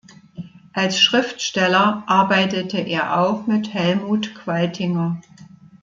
Als Schriftsteller arbeitete er auch mit Helmut Qualtinger.